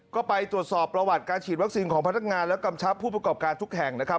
ก็ไปตรวจสอบประวัติการฉีดวัคซีนของพนักงานและกำชับผู้ประกอบการทุกแห่งนะครับ